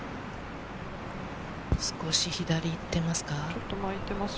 少し左に行ってますか。